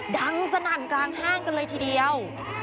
ดังสนั่นกลางห้างกันเลยทีเดียว